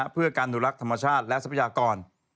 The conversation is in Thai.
เพื่อการอนุรักษ์ธรรมชาติและทรัพยากร